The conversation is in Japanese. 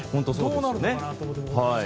どうなるのかなと。